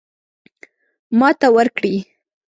ماته ورکړي.